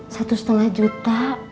satu setengah juta